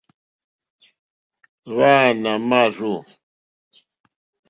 Hwáǃánáá màrzô.